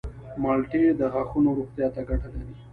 مالټې د غاښونو روغتیا ته ګټه لري.